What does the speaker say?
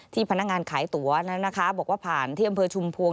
ที่พนักงานขายตั๋วนั้นนะคะบอกว่าผ่านที่อำเภอชุมพวง